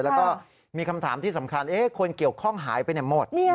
แล้วก็มีคำถามที่สำคัญคนเกี่ยวข้องหายไปหมด